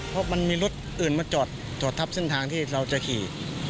เพราะมันมีรถอื่นมาจอดจอดทับเส้นทางที่เราจะขี่